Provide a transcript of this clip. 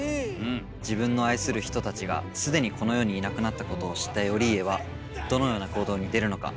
自分の愛する人たちがすでにこの世にいなくなったことを知った頼家はどのような行動に出るのか。